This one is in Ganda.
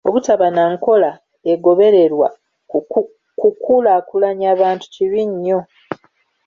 Obutaba na nkola egobererwa kukulaakulanya bantu kibi nnyo.